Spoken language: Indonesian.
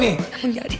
oke namun jadi